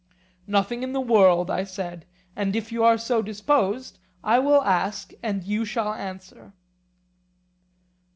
Nothing in the world, I said; and if you are so disposed I will ask and you shall answer.